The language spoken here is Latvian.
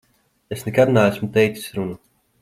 Es nekad neesmu teicis runu.